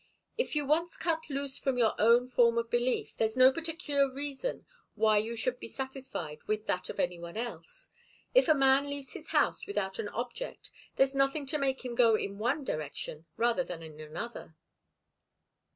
"If you once cut loose from your own form of belief there's no particular reason why you should be satisfied with that of any one else. If a man leaves his house without an object there's nothing to make him go in one direction rather than in another."